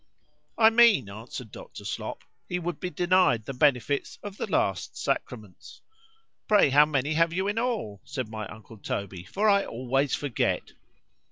—I mean, answered Dr. Slop, he would be denied the benefits of the last sacraments.—Pray how many have you in all, said my uncle Toby,——for I always forget?